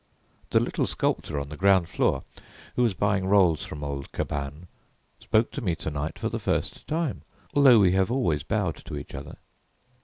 The little sculptor on the ground floor, who was buying rolls from old Cabane, spoke to me to night for the first time, although we have always bowed to each other.